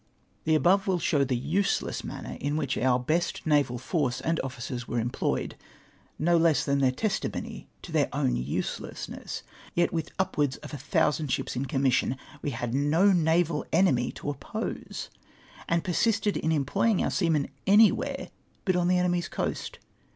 The above will show the useless inaiiiier in which (_)iir best naval force and officers were employed — no less than theu' testimony to their own uselessness. Yet with upwards of a thousand ships in commission, we had no naval enemy to oppose, and persisted in em ploying our seamen anywhere l3ut on the enemy's coast